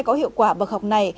có hiệu quả bậc học này